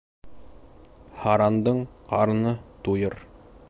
Һарандың ҡарыны туйыр.